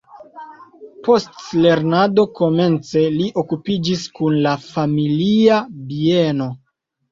Post lernado komence li okupiĝis kun la familia bieno.